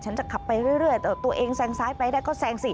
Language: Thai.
จะขับไปเรื่อยแต่ตัวเองแซงซ้ายไปได้ก็แซงสิ